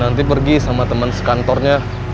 nanti pergi sama teman sekantornya